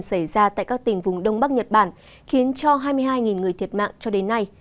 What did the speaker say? xảy ra tại các tỉnh vùng đông bắc nhật bản khiến cho hai mươi hai người thiệt mạng cho đến nay